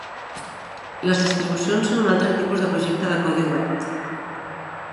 Les distribucions són un altre tipus de projecte de codi obert.